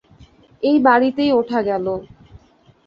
এই বাড়িতেই ওঠা গেল।